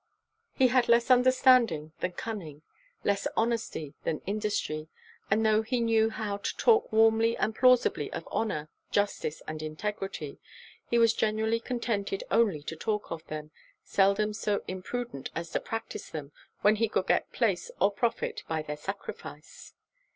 He had less understanding than cunning; less honesty than industry; and tho' he knew how to talk warmly and plausibly of honour, justice, and integrity, he was generally contented only to talk of them, seldom so imprudent as to practice them when he could get place or profit by their sacrifice.